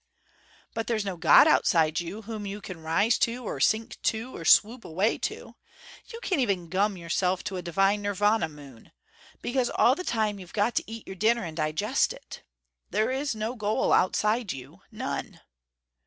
But there's no God outside you, whom you can rise to or sink to or swoop away to. You can't even gum yourself to a divine Nirvana moon. Because all the time you've got to eat your dinner and digest it. There is no goal outside you. None.